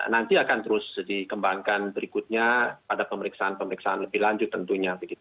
nanti akan terus dikembangkan berikutnya pada pemeriksaan pemeriksaan lebih lanjut tentunya